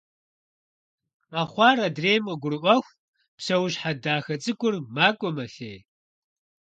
Къэхъуар адрейм къыгурыIуэху, псэущхьэ дахэ цIыкIур макIуэ-мэлъей.